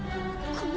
この！